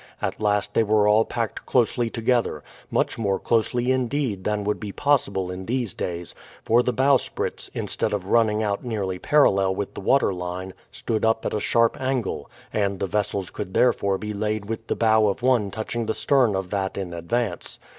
At last they were all packed closely together; much more closely indeed than would be possible in these days, for the bowsprits, instead of running out nearly parallel with the waterline stood up at a sharp angle, and the vessels could therefore be laid with the bow of one touching the stern of that in advance.